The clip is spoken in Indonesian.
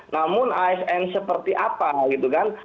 namun asn seperti apa gitu kan